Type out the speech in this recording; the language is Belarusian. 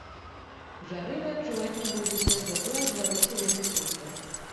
Жары вы адчуваць не будзеце, затое абгарыце вельмі хутка.